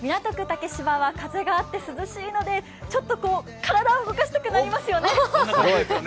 竹芝は風があって涼しいので、ちょっと体を動かしたくなりますよね。